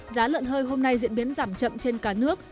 giá lợn hơi hôm nay diễn biến giảm chậm trên cả nước